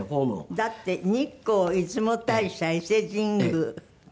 だって日光出雲大社伊勢神宮っていう。